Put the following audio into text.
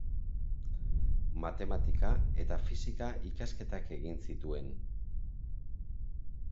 Matematika eta fisika ikasketak egin zituen.